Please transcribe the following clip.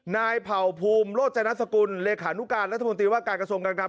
นายเผ่าภูมิโลจรรย์นัตรสกุลเลขานุการณ์รัฐบาลบันตรีว่าการกระทรวงการการ